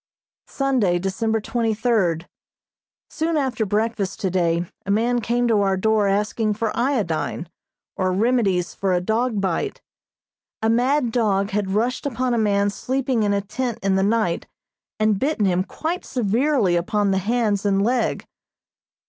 Sunday, December twenty third: Soon after breakfast today a man came to our door asking for iodine, or remedies for a dog bite. A mad dog had rushed upon a man sleeping in a tent in the night and bitten him quite severely upon the hands and leg.